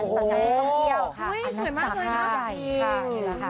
สำหรับท่องเที่ยวค่ะอันนั้นสำหรับเราจริง